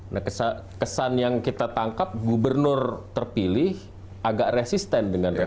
nah kesan yang kita tangkap gubernur terpilih agak resisten dengan reputasi